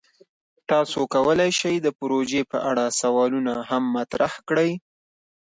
تاسو کولی شئ د پروژې په اړه سوالونه هم مطرح کړئ.